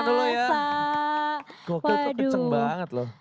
gokil tuh kenceng banget loh